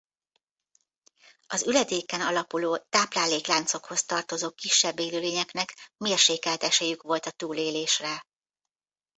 Az üledéken alapuló táplálékláncokhoz tartozó kisebb élőlényeknek mérsékelt esélyük volt a túlélésre.